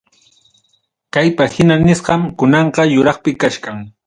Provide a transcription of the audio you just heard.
Kay página nisqam kunanqa yuraqpi kachkan.